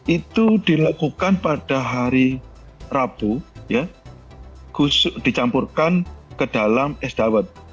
itu dilakukan pada hari rabu ya dicampurkan ke dalam es dawet